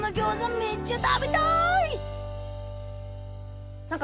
めっちゃ食べたい！